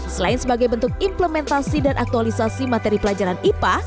selain sebagai bentuk implementasi dan aktualisasi materi pelajaran ipa